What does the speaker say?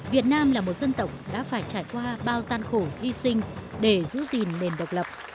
việt nam là một dân tộc đã phải trải qua bao gian khổ hy sinh để giữ gìn nền độc lập